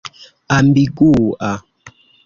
ambigua